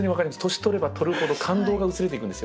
年取れば取るほど感動が薄れていくんですよ。